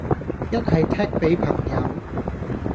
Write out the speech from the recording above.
一係 tag 俾朋友